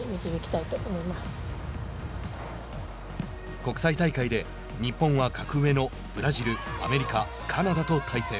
国際大会で日本は格上のブラジルアメリカ、カナダと対戦。